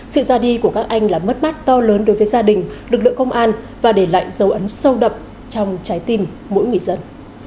sự ra đi của các anh là mất mát to lớn đối với gia đình lực lượng công an và để lại dấu ấn sâu đậm trong trái tim mỗi người dân